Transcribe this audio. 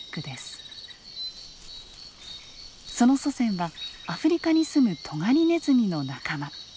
その祖先はアフリカに住むトガリネズミの仲間。